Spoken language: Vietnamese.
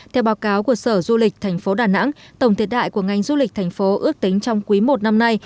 theo báo cáo của sở du lịch tp đà nẵng tổng thiệt đại của ngành du lịch tp ước tính trong quý một năm nay